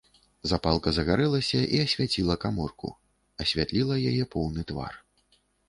Запалка загарэлася і асвяціла каморку, асвятліла яе поўны твар.